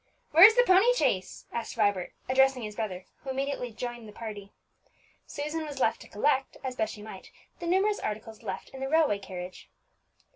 "Where is the pony chaise?" asked Vibert, addressing his brother, who immediately joined the party. Susan was left to collect, as best she might, the numerous articles left in the railway carriage.